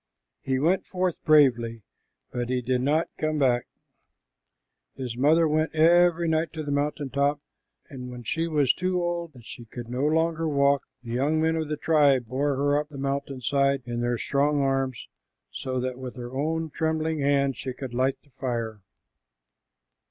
He went forth bravely, but he did not come back. His mother went every night to the mountain top, and when she was so old that she could no longer walk, the young men of the tribe bore her up the mountain side in their strong arms, so that with her own trembling hand she could light the fire.